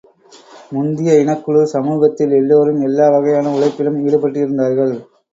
முந்திய இனக்குழு சமூகத்தில் எல்லோரும், எல்லா வகையான உழைப்பிலும் ஈடுபட்டிருந்தார்கள்.